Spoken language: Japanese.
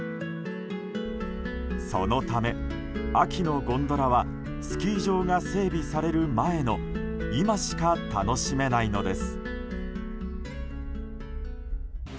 そのため、秋のゴンドラはスキー場が整備される前の今しか楽しめないのです。